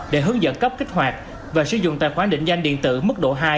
để hướng dẫn cấp kích hoạt và sử dụng tài khoản định danh điện tử mức độ hai